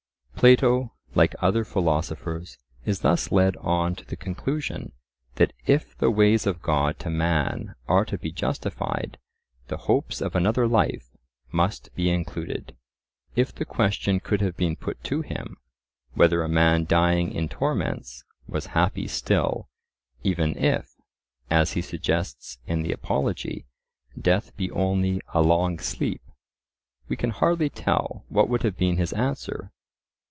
Plato, like other philosophers, is thus led on to the conclusion, that if "the ways of God" to man are to be "justified," the hopes of another life must be included. If the question could have been put to him, whether a man dying in torments was happy still, even if, as he suggests in the Apology, "death be only a long sleep," we can hardly tell what would have been his answer.